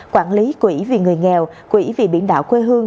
quản lý quỹ vì người nghèo quỹ vì biển đảo quê hương